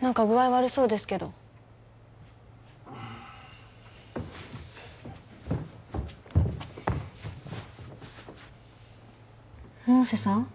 なんか具合悪そうですけど百瀬さん？